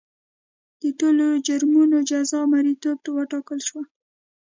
د ټولو جرمونو جزا مریتوب وټاکل شوه.